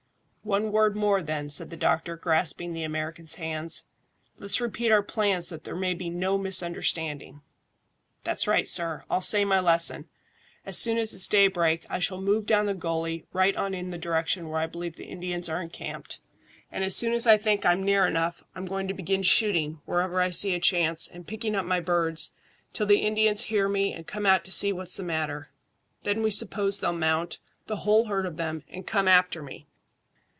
"One word more, then," said the doctor, grasping the American's hand. "Let's repeat our plans so that there may be no misunderstanding." "That's right, sir. I'll say my lesson. As soon as it's daybreak I shall move down the gully right on in the direction where I believe the Indians are encamped, and as soon as I think I'm near enough I'm going to begin shooting wherever I see a chance and picking up my birds, till the Indians hear me and come out to see what's the matter. Then we suppose they'll mount, the whole herd of them, and come after me."